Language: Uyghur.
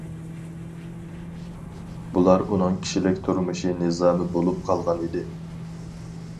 بۇلار ئۇنىڭ كىشىلىك تۇرمۇش نىزامى بولۇپ قالغان ئىدى.